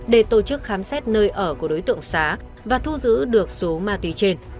để tổ chức khám xét nơi ở của đối tượng sá và thu giữ được số ma tùy trên